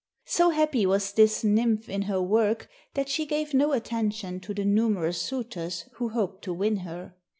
So happy was this nymph in her work that she gave no attention to the numerous suitors who hoped to win her.